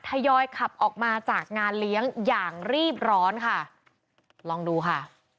ยอยขับออกมาจากงานเลี้ยงอย่างรีบร้อนค่ะลองดูค่ะ